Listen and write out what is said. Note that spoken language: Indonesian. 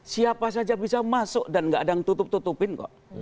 siapa saja bisa masuk dan tidak ada yang tutup tutupnya